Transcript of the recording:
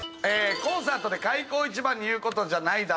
コンサートで開口一番に言う事じゃないだろ！